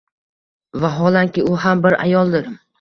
Vaholanki, u ham bir ayoldir.